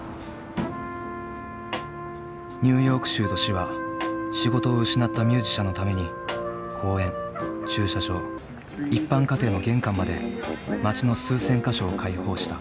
ニューヨーク州と市は仕事を失ったミュージシャンのために公園駐車場一般家庭の玄関まで街の数千か所を開放した。